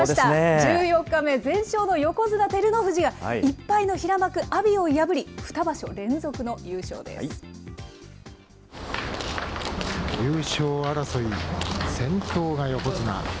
１４日目、全勝の横綱・照ノ富士が１敗の平幕・阿炎を破り、２場優勝争い、先頭が横綱。